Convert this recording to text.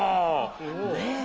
ねえ？